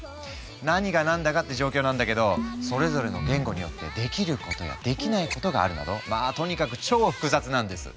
何がなんだかって状況なんだけどそれぞれの言語によってできることやできないことがあるなどまあとにかく超複雑なんです。